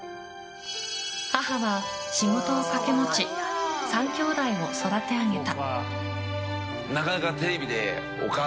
母は仕事を掛け持ち３兄弟を育て上げた。